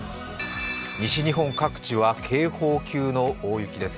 西日本各地は警報級の大雪です。